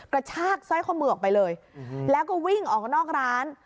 กระชากสร้อยข้อมือออกไปเลยแล้วก็วิ่งออกนอกร้าน